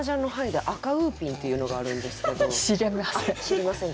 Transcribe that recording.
知りません。